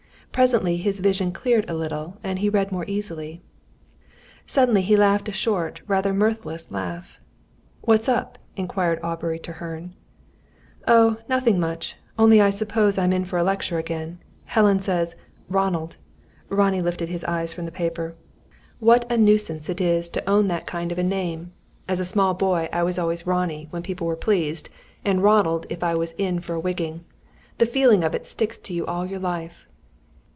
Presently his vision cleared a little and he read more easily. Suddenly he laughed, a short, rather mirthless, laugh. "What's up?" inquired Aubrey Treherne. "Oh, nothing much; only I suppose I'm in for a lecture again! Helen says: 'Ronald' " Ronnie lifted his eyes from the paper. "What a nuisance it is to own that kind of name. As a small boy I was always 'Ronnie' when people were pleased, and 'Ronald' if I was in for a wigging. The feeling of it sticks to you all your life."